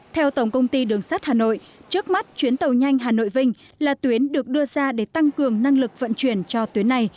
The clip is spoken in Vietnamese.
theo tổng công ty đường sắt hà nội trước mắt chuyến tàu nhanh hà nội vinh là tuyến được đưa ra để tăng cường năng lực vận chuyển cho tuyến này